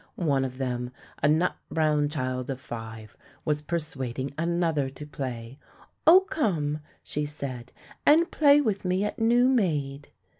One of them, a nut brown child of five, was persuading another to play. "Oh come," she said, "and play with me at new maid."